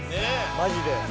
マジで。